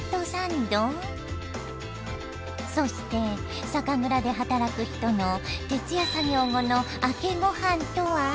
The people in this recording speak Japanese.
そして酒蔵で働く人の徹夜作業後の明けごはんとは！？